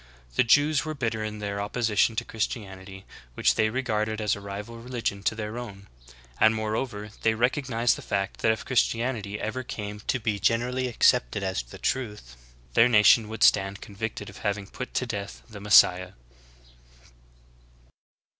The Jews were bitter in their opposition to Christianity, which they regarded as a rival religion to their own ; and moreover, they recognized the fact that if Christianity ever came to be generally ac cepted as the truth, their nation would stand convicted of having put to death the M^essiah.